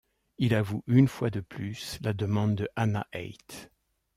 Il avoue une fois de plus la demande de Hanna Heyt.